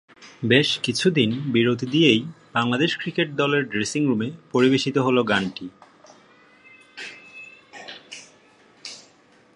বেশ কিছুদিন বিরতি দিয়েই বাংলাদেশ ক্রিকেট দলের ড্রেসিংরুমে পরিবেশিত হলো গানটি।